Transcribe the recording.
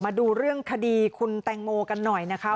มาดูเรื่องคดีคุณแตงโมกันหน่อยนะคะ